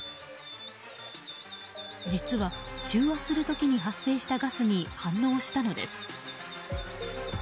実は中和する時に発生したガスに反応したのです。